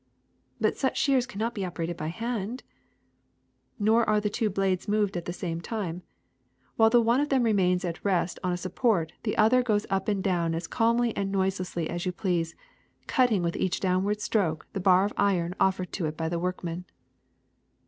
''^^ But such shears cannot be operated by hand ?'' Nor are the two blades moved at the same time. 158 THE SECRET OF EVERYDAY THINGS While one of them remains at rest on a support, the other goes up and down as calmly and noiselessly as you please, cutting with each downward stroke the bar of iron offered it by a workman.